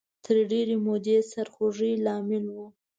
تر ډېرې مودې سرخوږۍ لامل و